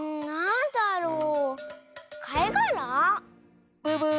んなんだろう。